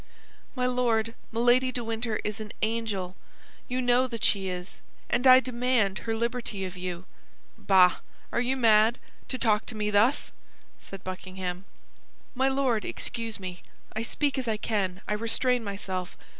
"My Lord, Milady de Winter is an angel; you know that she is, and I demand her liberty of you." "Bah! Are you mad, to talk to me thus?" said Buckingham. "My Lord, excuse me! I speak as I can; I restrain myself.